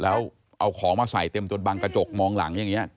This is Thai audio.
แล้วเอาของมาใส่เต็มจนบังกระจกมองหลังอย่างนี้